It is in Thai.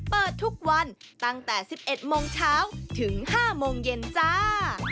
เปิดทุกวันตั้งแต่๑๑โมงเช้าถึง๕โมงเย็นจ้า